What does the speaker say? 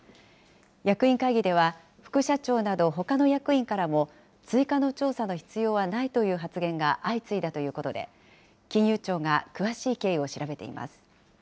役員会議では、副社長などほかの役員からも、追加の調査の必要はないという発言が相次いだということで、金融庁が詳しい経緯を調